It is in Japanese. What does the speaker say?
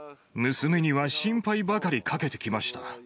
娘には心配ばかりかけてきました。